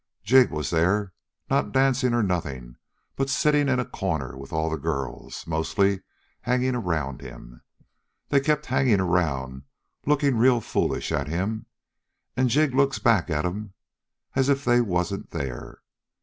Jig was there, not dancing or nothing, but sitting in a corner, with all the girls, mostly, hanging around him. They kept hanging around looking real foolish at him, and Jig looks back at 'em as if they wasn't there.